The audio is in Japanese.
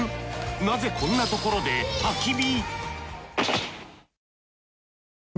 なぜこんなところで焚き火！？